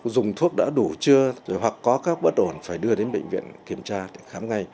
dùng thuốc đã đủ chưa hoặc có các bất ổn phải đưa đến bệnh viện kiểm tra khám ngay